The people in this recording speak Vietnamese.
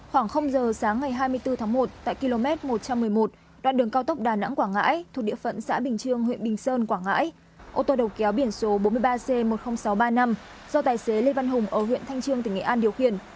khoảng giờ sáng ngày hai mươi bốn tháng một tại km một trăm một mươi một đoạn đường cao tốc đà nẵng quảng ngãi thuộc địa phận xã bình trương huyện bình sơn quảng ngãi ô tô đầu kéo biển số bốn mươi ba c một mươi nghìn sáu trăm ba mươi năm do tài xế lê văn hùng ở huyện thanh trương tỉnh nghệ an điều khiển